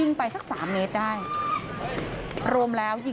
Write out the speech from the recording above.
โชว์บ้านในพื้นที่เขารู้สึกยังไงกับเรื่องที่เกิดขึ้น